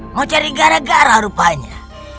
mau cari gara gara rupanya